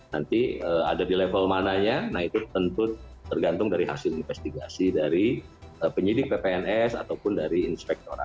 nanti ada di level mananya nah itu tentu tergantung dari hasil investigasi dari penyidik ppns ataupun dari inspektorat